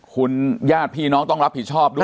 คุณญาติพี่น้องต้องรับผิดชอบด้วย